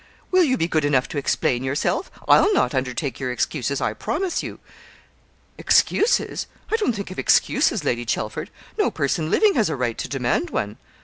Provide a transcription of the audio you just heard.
Will you be good enough to explain yourself? I'll not undertake your excuses, I promise you.' 'Excuses! I don't think of excuses, Lady Chelford; no person living has a right to demand one.'